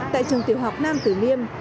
tại trường tiểu học nam tử niêm